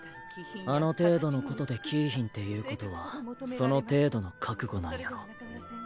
あの程度のことで来ぃひんっていうことはその程度の覚悟なんやろ。